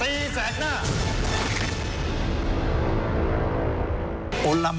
ตีแสนหน้า